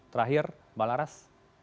terakhir mbak laras